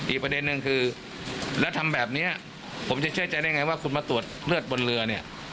อีกประเด็นนึงคือแล้วทำแบบนี้ผมจะเชื่อใจได้ไงว่าคุณมาตรวจเลือดบนเรือเนี่ย